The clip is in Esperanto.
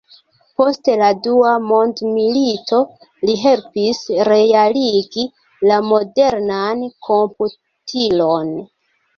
Post la dua mondmilito li helpis realigi la modernan komputilon.